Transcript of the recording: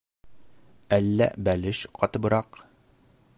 Әллә бәлеш ҡатыбыраҡ...